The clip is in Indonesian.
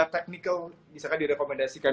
technical misalkan direkomendasikan